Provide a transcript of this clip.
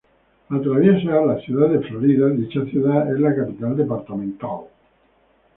Atraviesa a la ciudad de Florida, dicha ciudad es la capital departamental.